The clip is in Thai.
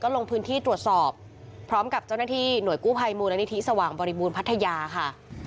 ลงพื้นที่ตรวจสอบพร้อมกับเจ้าหน้าที่หน่วยกู้ภัยมูลนิธิสว่างบริบูรณพัทยาค่ะ